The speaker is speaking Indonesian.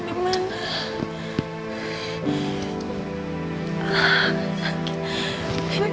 tim di panjang